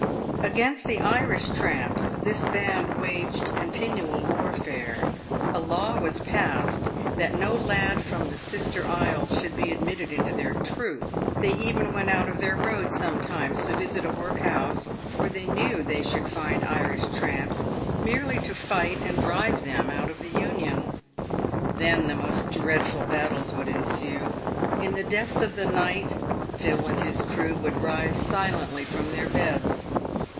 Against the Irish tramps this band waged continual warfare. A law was passed that no lad from the sister isle should be admitted into their troop. They even went out of their road sometimes to visit a workhouse where they knew they should find Irish tramps, merely to fight and drive them out of the union. Then the most dreadful battles would ensue. In the depth of the night Phil and his crew would rise silently from their beds.